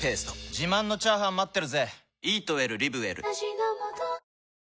自慢のチャーハン待ってるぜ！